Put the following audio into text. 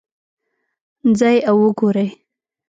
ځئ او وګورئ